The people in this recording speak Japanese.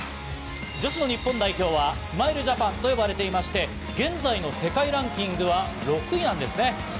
女子の日本代表はスマイルジャパンと呼ばれていまして、現在の世界ランキングは６位なんですね。